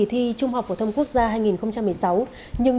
trung học phổ thông bình thường không ạ